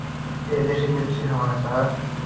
এই দেশের কিচ্ছু হবে না, স্যার।